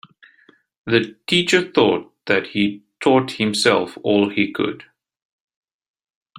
The teacher thought that he'd taught himself all he could.